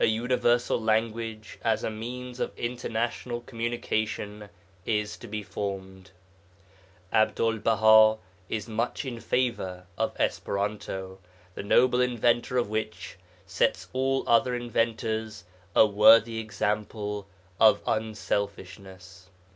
A universal language as a means of international communication is to be formed. Abdul Baha is much in favour of Esperanto, the noble inventor of which sets all other inventors a worthy example of unselfishness.